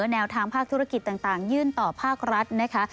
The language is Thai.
แนวทางภาคธุรกิจต่างยื่นต่อภาครัฐนะคะ